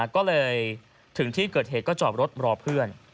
ก็เลยถึงที่เกิดเหตุก็จอดรถรอเพื่อน